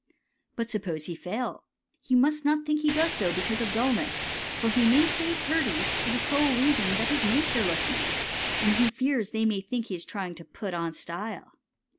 But suppose he fail, you must not think he does so because of dullness, for he may say "purty" for the sole reason that his mates are listening and he fears they may think he is trying to "put on style."